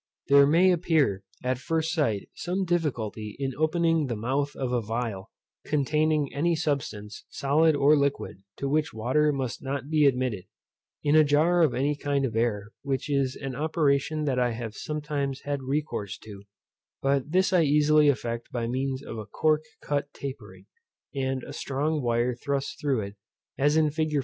There may appear, at first sight, some difficulty in opening the mouth of a phial, containing any substance, solid or liquid, to which water must not be admitted, in a jar of any kind of air, which is an operation that I have sometimes had recourse to; but this I easily effect by means of a cork cut tapering, and a strong, wire thrust through it, as in fig.